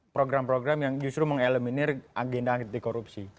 program program yang justru mengeliminir agenda anti korupsi